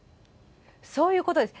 そういうことです。